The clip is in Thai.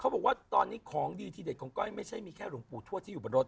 บอกว่าตอนนี้ของดีที่เด็ดของก้อยไม่ใช่มีแค่หลวงปู่ทวดที่อยู่บนรถ